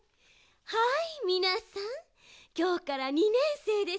はいみなさんきょうから２ねんせいですね。